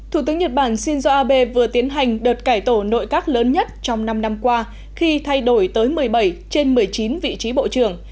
thủ tướng nhật bản shinzo abe vừa tiến hành đợt cải tổ nội các lớn nhất trong năm năm qua khi thay đổi tới một mươi bảy trên một mươi chín vị trí bộ trưởng